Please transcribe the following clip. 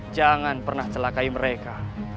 jangan pernah celakai mereka